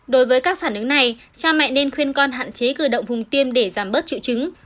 đối với các phản ứng này cha mẹ nên khuyên con hạn chế cử động vùng tiêm để giảm bớt triệu chứng